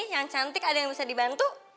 yang cantik ada yang bisa dibantu